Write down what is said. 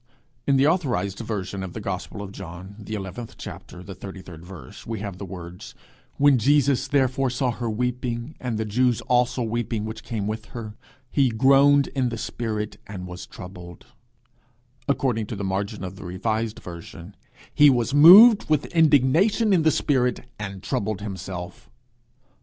In the authorized version of the gospel of John, the eleventh chapter, the thirty third verse, we have the words: 'When Jesus therefore saw her weeping, and the Jews also weeping which came with her, he groaned in the spirit and was troubled;' according to the margin of the revised version, 'he was moved with indignation in the spirit, and troubled himself.'